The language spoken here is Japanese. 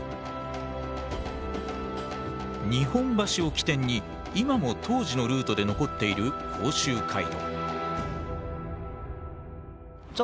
日本橋を起点に今も当時のルートで残っている甲州街道。